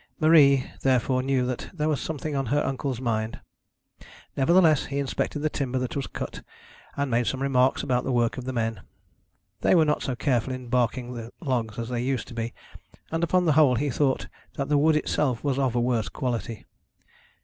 Marie therefore knew that there was something on her uncle's mind. Nevertheless he inspected the timber that was cut, and made some remarks about the work of the men. They were not so careful in barking the logs as they used to be, and upon the whole he thought that the wood itself was of a worse quality.